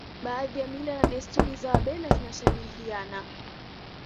baadhi ya mila na desturi za wabena zinashabihiana